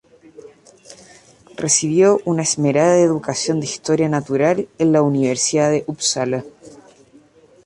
Recibió una esmerada educación de historia natural en la Universidad de Upsala.